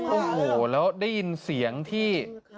โอ้โหแล้วได้ยินเสียงที่